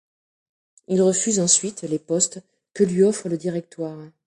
Il refuse ensuite les postes que lui offre le Directoire.